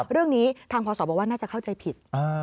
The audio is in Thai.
เรื่องนี้ทางพศบอกว่าน่าจะเข้าใจผิด